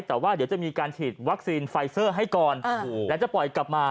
แต่ว่าเดี๋ยวจะมีการฉีดวัคซีนไฟเซอร์ให้ก่อนและจะปล่อยกลับมา